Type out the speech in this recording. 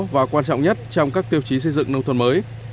và quan trọng nhất trong các tiêu chí xây dựng nông thôn mới